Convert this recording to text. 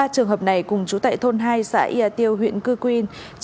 ba trường hợp này cùng chú tệ thôn hai xã yatio huyện cư quyên